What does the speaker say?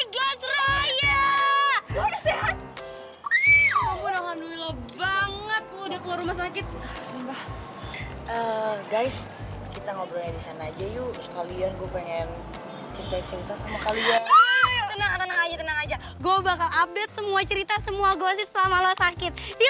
gue bakal update semua cerita semua gosip selama lo sakit